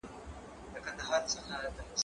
هغه وويل چي پلان جوړول مهم دي!.